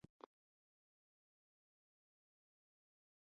Since retiring from first-class cricket, Chatfield has had a variety of jobs.